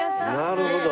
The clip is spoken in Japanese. なるほど。